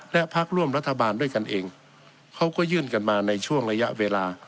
และพักร่วมรัฐบาลด้วยกันเองเขาก็ยื่นกันมาในช่วงระยะเวลา